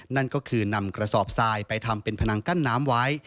นั่นก็คือนำกระสอบทรายไปทำเป็นพนังกั้นน้ำไว้